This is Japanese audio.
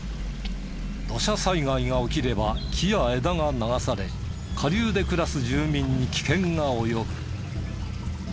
土砂災害が起きれば木や枝が流され下流で暮らす住民に危険が及ぶ。